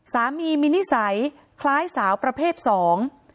สามีมีนิสัยคล้ายสาวประเภทสอง